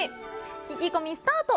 聞き込みスタート。